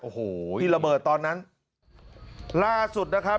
โอ้โหที่ระเบิดตอนนั้นล่าสุดนะครับ